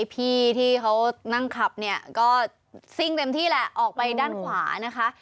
พี่ที่เขานั่งขับเนี่ยก็ซิ่งเต็มที่แหละออกไปด้านขวานะคะ